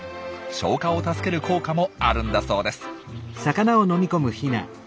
消化を助ける効果もあるんだそうです。